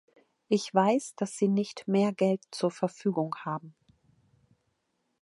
Ich weiß, dass Sie nicht mehr Geld zur Verfügung haben.